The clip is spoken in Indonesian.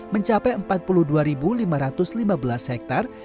mencapai empat puluh dua lima ratus lima belas hektare